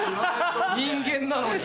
人間なのに。